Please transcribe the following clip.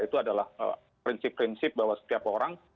itu adalah prinsip prinsip bahwa setiap orang